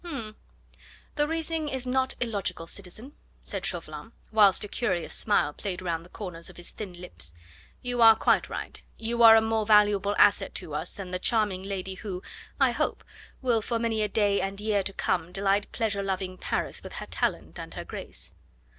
"H'm! the reasoning is not illogical, citizen," said Chauvelin, whilst a curious smile played round the corners of his thin lips. "You are quite right. You are a more valuable asset to us than the charming lady who, I hope, will for many a day and year to come delight pleasure loving Paris with her talent and her grace."